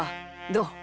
どう？